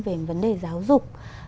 về vấn đề giáo dục